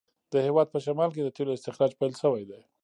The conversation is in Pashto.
د هیواد په شمال کې د تېلو استخراج پیل شوی دی.